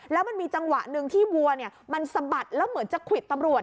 แล้วมันมีจังหวะหนึ่งที่วัวมันสะบัดแล้วเหมือนจะควิดตำรวจ